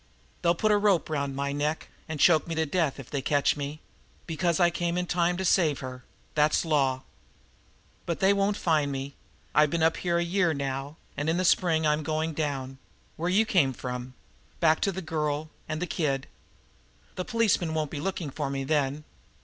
They'll put a rope round my neck, an' choke me to death if they catch me because I came in time to save her! That's law! "But they won't find me. I've been up here a year now, and in the spring I'm going down there where you come from back to the Girl and the Kid. The policemen won't be looking for me then.